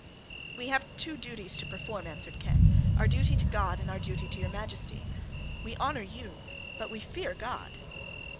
"We have two duties to perform," answered Ken, "our duty to God, and our duty to your Majesty. We honour you, but we fear God."